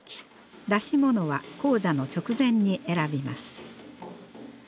出し物は高座の直前に選びます。